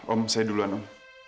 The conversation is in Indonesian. om saya duluan om